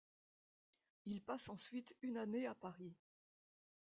Il passe ensuite une année à Paris.